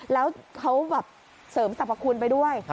แล้วเขาแบบเสริมสรรพคุณไปด้วย